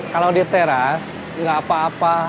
kalau di teras nggak apa apa